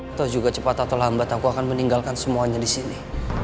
atau juga cepat atau lambat aku akan meninggalkan semuanya di sini